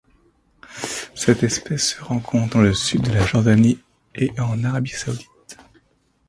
Cette espèce se rencontre dans le sud de la Jordanie et en Arabie saoudite.